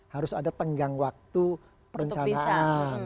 harus ada tenggang waktu perencanaan